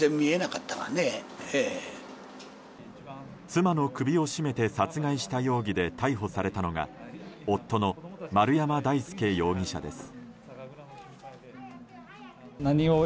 妻の首を絞めて殺害した容疑で逮捕されたのが夫の丸山大輔容疑者です。